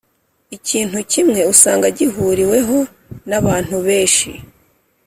ikintu kimwe usanga gihuriweho n’abantu beshi